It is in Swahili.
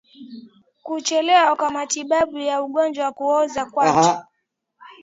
Kuchelewa kwa matibabu ya ugonjwa wa kuoza kwato